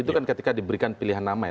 itu kan ketika diberikan pilihan nama ya